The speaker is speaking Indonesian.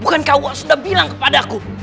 bukankah allah sudah bilang kepadaku